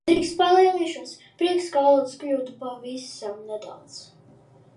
Drīkst palielīšos? Prieks, ka valodas kļūdu pavisam nedaudz.